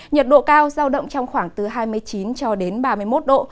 nhiệt độ cao giao động trong khoảng từ hai mươi chín cho đến ba mươi một độ